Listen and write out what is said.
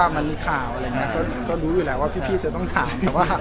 มันมีข่าวอะไรอย่างนี้ก็รู้อยู่แล้วว่าพี่จะต้องถามว่า